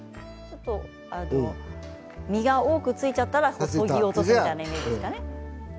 身が多くついちゃったらこそぎ落とすイメージですかね。